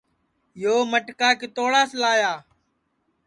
یو مٹکا کِتوڑاس لایا